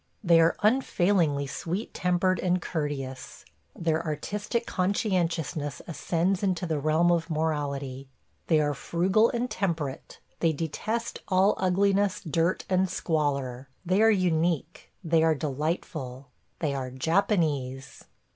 They are unfailingly sweet tempered and courteous. Their artistic conscientiousness ascends into the realm of morality. They are frugal and temperate; they detest all ugliness, dirt, and squalor; they are unique; they are delightful – they are Japanese!